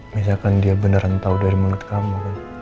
misalkan dia beneran tau dari mulut kamu